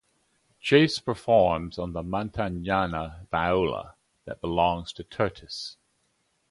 Chase performs on the Montagnana viola that belonged to Tertis.